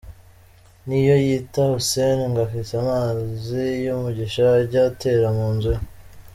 Niyoyita Hussen ngo afite amazi y’umugisha ajya atera mu nzu ye .